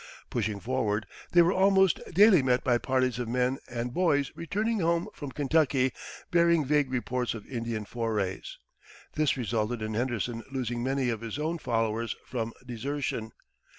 Pushing forward, they were almost daily met by parties of men and boys returning home from Kentucky bearing vague reports of Indian forays. This resulted in Henderson losing many of his own followers from desertion.